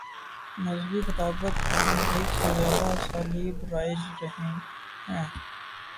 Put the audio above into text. مذہبی خطابت میں ایک سے زیادہ اسالیب رائج رہے ہیں۔